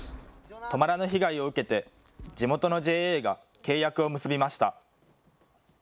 止まらぬ被害を受けて、地元のＪＡが契約を結びました。